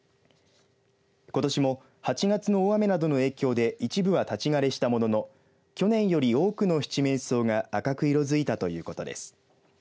ことしも８月の大雨などの影響で一部は立ち枯れしたものの去年より多くのシチメンソウが赤く色づいたということです。